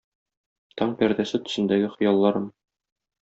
Таң пәрдәсе төсендәге хыялларым?